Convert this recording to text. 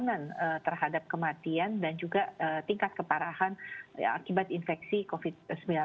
lansia itu memiliki kerentangan terhadap kematian dan juga tingkat keparahan akibat infeksi covid sembilan belas